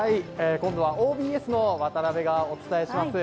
今度はＯＢＳの渡辺がお伝えします。